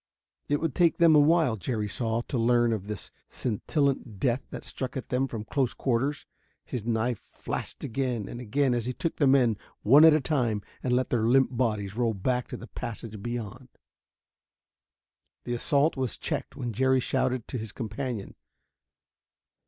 It would take them a while, Jerry saw, to learn of this scintillant death that struck at them from close quarters. His knife flashed again and again as he took the men one at a time and let their limp bodies roll back to the passage beyond. The assault was checked when Jerry shouted to his companion.